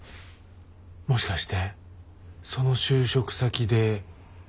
もしかしてその就職先で。